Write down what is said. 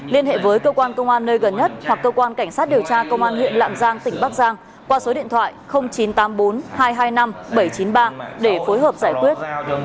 liên hệ với cơ quan công an nơi gần nhất hoặc cơ quan cảnh sát điều tra công an huyện lạng giang tỉnh bắc giang qua số điện thoại chín trăm tám mươi bốn hai trăm hai mươi năm bảy trăm chín mươi ba để phối hợp giải quyết